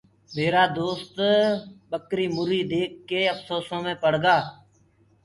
ميرآ دوست ٻڪريٚ مُريٚ ديک ڪي اڦسوسو مي پڙگآ۔